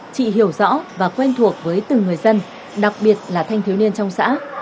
chị hiểu rõ và quen thuộc với từng người dân đặc biệt là thanh thiếu niên trong xã